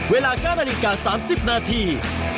เวลาการณีการ๓๐นาที